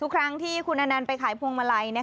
ทุกครั้งที่คุณอานานไปขายผวงมาลัย